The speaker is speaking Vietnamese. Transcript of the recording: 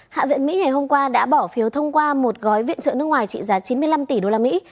hạ viện mỹ ngày hôm qua đã bỏ phiếu thông qua một gói viện trợ nước ngoài trị giá chín mươi năm tỷ đô la mỹ